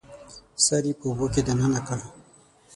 سر یې په اوبو کې دننه کړ